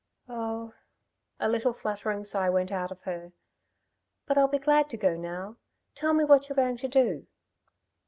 "Oh," a little fluttering sigh went out of her, "but I'll be glad to go now! Tell me what you're going to do?"